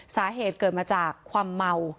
สาเหตุเกิดมาจากความเมา